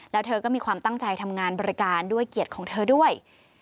แล้วเธอก็มีความตั้งใจทำงานบริการด้วยเกียรติของเธอด้วย